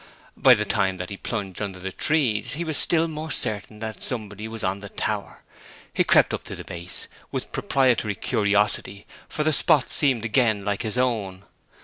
By the time that he plunged under the trees he was still more certain that somebody was on the tower. He crept up to the base with proprietary curiosity, for the spot seemed again like his own.